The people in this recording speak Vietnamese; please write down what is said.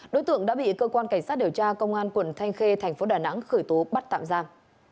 đối tượng đã bị cơ quan cảnh sát điều tra công an quận thanh khê thành phố đà nẵng khởi tố bắt tạm giam